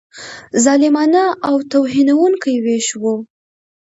ظالمانه او توهینونکی وېش وو.